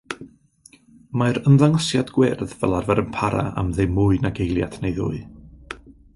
Mae'r ymddangosiad gwyrdd fel arfer yn para am ddim mwy nag eiliad neu ddwy.